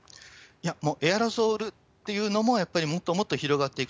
もうエアロゾルというのも、やっぱりもっともっと広がっていく。